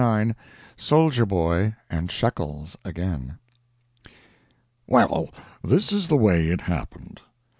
IX SOLDIER BOY AND SHEKELS AGAIN "WELL, this is the way it happened.